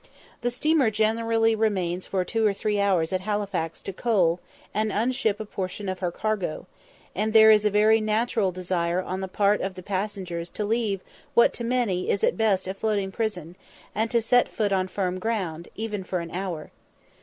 The steamer generally remains for two or three hours at Halifax to coal, and unship a portion of her cargo, and there is a very natural desire on the part of the passengers to leave what to many is at best a floating prison, and set foot on firm ground, even for an hour.